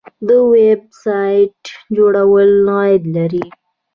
د ویب سایټ جوړول عاید لري